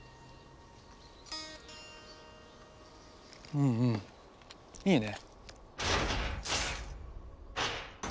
うんうんいいね。